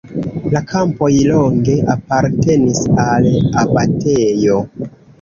La kampoj longe apartenis al abatejo.